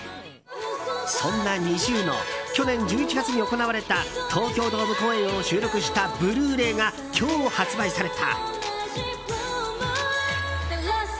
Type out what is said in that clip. そんなＮｉｚｉＵの去年１１月に行われた東京ドーム公演を収録したブルーレイが今日発売された。